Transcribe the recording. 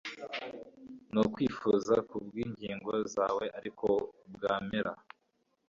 nukwifuza k'ubugingo bwawe ariko bwamera